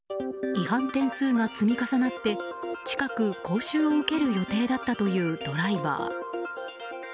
違反点数が積み重なって近く講習を受ける予定だったというドライバー。